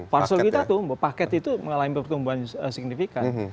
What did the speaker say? parcel kita itu paket itu mengalami pertumbuhan signifikan